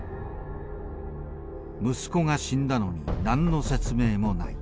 「息子が死んだのに何の説明もない」。